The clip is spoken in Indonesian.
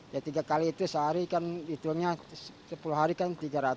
ya tiga kali itu sehari kan hitungnya sepuluh hari kan tiga ratus